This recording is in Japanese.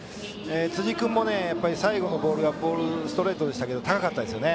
辻君も最後のボールがストレートでしたけど高かったですね。